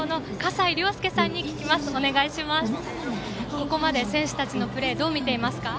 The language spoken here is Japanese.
ここまで選手たちのプレーをどう見ていますか？